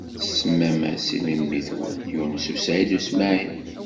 Tsemmam-as i memmi-twen Yunes u Saɛid u Smaɛil.